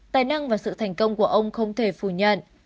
tài năng và sự thành công của ông không thể phủ nhận